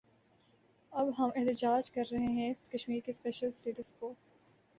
اب ہم احتجاج کر رہے ہیں کہ کشمیر کے سپیشل سٹیٹس کو